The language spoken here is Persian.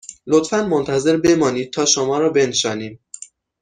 لطفاً منتظر بمانید تا شما را بنشانیم